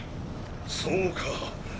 そうかぁ！